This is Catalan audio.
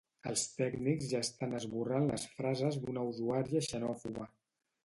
Els tècnics ja estan esborrant les frases d'una usuària xenòfoba